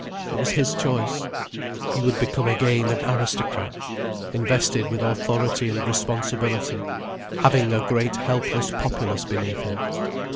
It was his choice. He would become again an aristocrat, invested with authority and responsibility, having a great helpless populace beneath him.